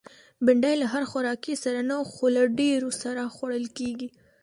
بېنډۍ له هر خوراکي سره نه، خو له ډېرو سره خوړل کېږي